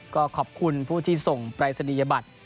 ก็ขอบคุณที่ส่งไฟศนียบัตร